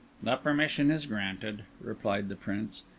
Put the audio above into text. "The permission is granted," replied the Prince.